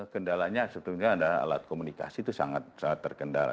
kendalanya sebetulnya adalah alat komunikasi itu sangat terkendala